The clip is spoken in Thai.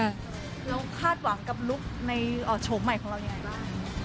แล้วคาดหวังกับลุคในโฉมใหม่ของเรายังไงบ้าง